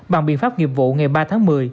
bằng biện pháp nghiệp vụ ngày ba tháng một mươi